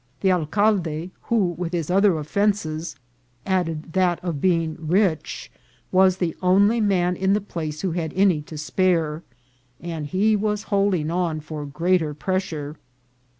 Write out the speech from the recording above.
The alcalde, who to his other offences added that of being rich, was the only man in the place who had any to spare, and he was holding on for a greater pressure.